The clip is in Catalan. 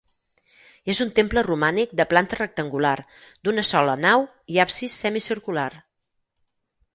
És un temple romànic de planta rectangular, d'una sola nau i absis semicircular.